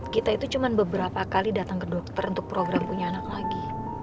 kita itu cuma beberapa kali datang ke dokter untuk program punya anak lagi